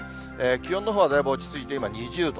気温のほうはだいぶ落ち着いて、今、２０度。